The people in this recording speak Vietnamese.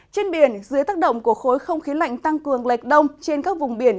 trên biển dưới tác động của khối không khí lạnh tăng cường lệch đông trên các vùng biển